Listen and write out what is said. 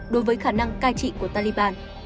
đối với khả năng cai trị của taliban